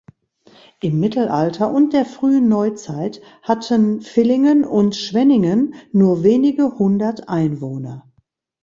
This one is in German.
Im Mittelalter und der frühen Neuzeit hatten Villingen und Schwenningen nur wenige hundert Einwohner.